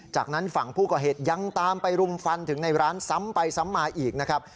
จากนั้นฝั่งผู้ก่อเหตุยังตามไปรุมฟันถึงในร้านซ้ำไปซ้ำมาอีกนะครับ